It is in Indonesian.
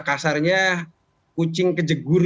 kasarnya kucing kejegur